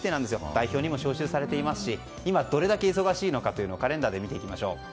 代表にも招集されていますし今、どれだけ忙しいかをカレンダーで見ていきましょう。